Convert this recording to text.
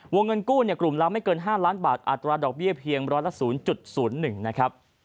วงเงินกู้กลุ่มล้ำไม่เกิน๕ล้านบาทอัตราดอกเบี้ยเพียง๑๐๐๐๑บาท